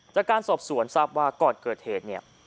จากการสอบสวนทราบว่าก่อนเกิดเหตุเนี่ย